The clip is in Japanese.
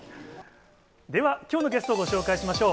では、きょうのゲストをご紹介しましょう。